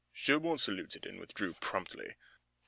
Sherburne saluted and withdrew promptly.